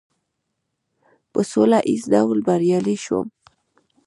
په سوله ایز ډول بریالی شوم.